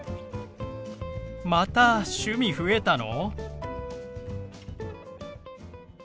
また趣味増えたの？